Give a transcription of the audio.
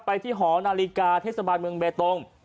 ไปที่หอนาฬิกาเทศบาลเมืองเบตง